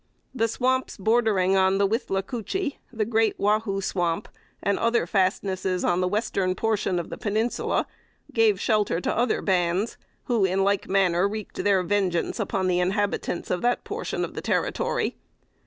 The swamps bordering on the Withlacoochee, the Great Wahoo Swamp, and other fastnesses on the western portion of the Peninsula, gave shelter to other bands, who, in like manner, wreaked their vengeance upon the inhabitants of that portion of the Territory.